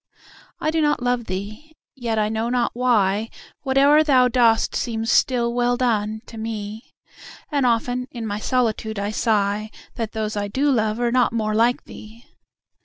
I do not love thee! yet, I know not why, Whate'er thou does seems still well done, to me And often in my solitude I sigh That those I do love are not more like thee!